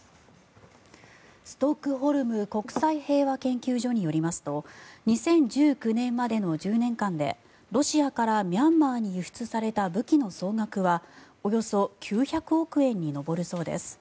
ストックホルム国際平和研究所によりますと２０１９年までの１０年間でロシアからミャンマーに輸出された武器の総額はおよそ９００億円に上るそうです。